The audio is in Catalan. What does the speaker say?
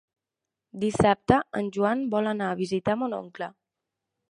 Dissabte en Joan vol anar a visitar mon oncle.